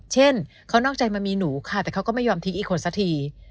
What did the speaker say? เช่นเขานอกใจมามีหนูค่ะแต่เขาก็ไม่ยอมทิ้งอีกคนสักที